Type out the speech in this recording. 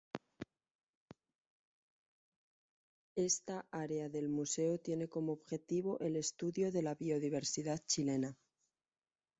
Esta área del museo tiene como objetivo el estudio de la biodiversidad chilena.